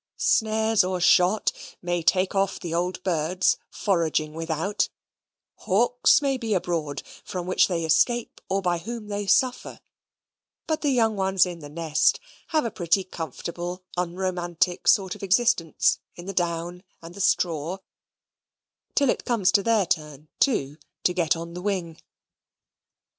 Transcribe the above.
Snares or shot may take off the old birds foraging without hawks may be abroad, from which they escape or by whom they suffer; but the young ones in the nest have a pretty comfortable unromantic sort of existence in the down and the straw, till it comes to their turn, too, to get on the wing.